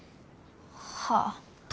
はあ。